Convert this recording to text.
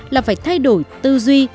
là phải thay đổi tư duy